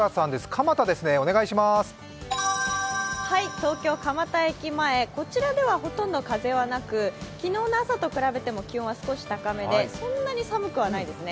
東京・蒲田駅前、こちらではほとんど風はなく昨日の朝と比べても気温は少し高めでそんなに寒くはないですね。